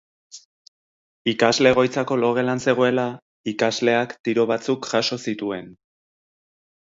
Ikasle-egoitzako logelan zegoela, ikasleak tiro batzuk jaso zituen.